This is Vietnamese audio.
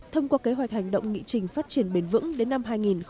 thông qua kế hoạch hành động nghị trình phát triển bền vững đến năm hai nghìn ba mươi